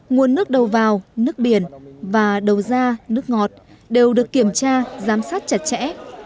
nguồn nước đầu vào nước biển và đầu da nước ngọt đều được kiểm tra giám sát chặt chẽ